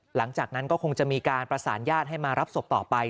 หลังจากนั้นก็คงจะมีการประสานญาติให้มารับศพต่อไป